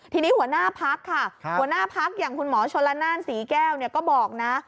ทีนี้หัวหน้าพักค่ะหัวหน้าพักอย่างคุณหมอชนละนานศรีแก้วก็บอกนะ